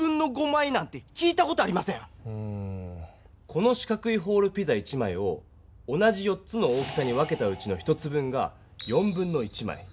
この四角いホールピザ１枚を同じ４つの大きさに分けたうちの１つ分が1/4枚。